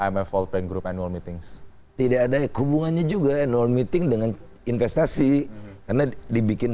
mfb group and all meetings tidak ada hubungannya juga nol meeting dengan investasi karena dibikin